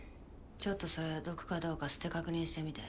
ちょっとそれ毒かどうか吸って確認してみて。